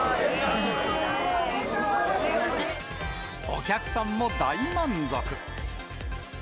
お客さんも大満足。